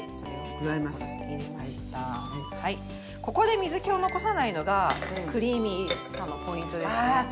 ここで水けを残さないのがクリーミーさのポイントですね。